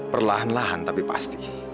perlahan lahan tapi pasti